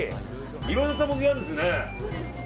いろいろな卵焼きがあるんですね。